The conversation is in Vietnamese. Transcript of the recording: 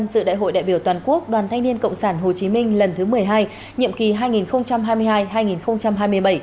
dự đại hội đại biểu toàn quốc đoàn thanh niên cộng sản hồ chí minh lần thứ một mươi hai nhiệm kỳ hai nghìn hai mươi hai hai nghìn hai mươi bảy